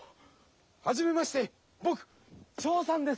はじめましてぼくチョーさんです。